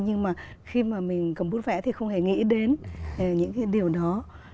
nhưng mà khi mà mình cầm bút vẽ thì không hề nghĩ đến những cái điều đó